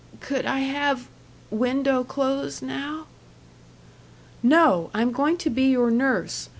"C could I have window closed now?" "No. I'm going to be your nurse.